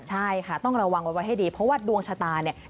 ใช่ค่ะต้องระวังไว้ให้ดีเพราะว่าดวงชะตาเนี่ย